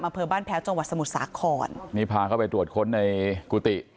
อำเภอบ้านแพ้วจังหวัดสมุทรสาครนี่พาเข้าไปตรวจค้นในกุฏิ